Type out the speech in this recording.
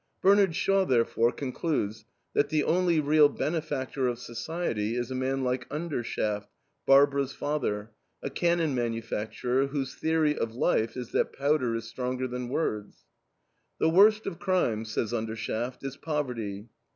Bernard Shaw, therefore, concludes that the only real benefactor of society is a man like Undershaft, Barbara's father, a cannon manufacturer, whose theory of life is that powder is stronger than words. "The worst of crimes," says Undershaft, "is poverty.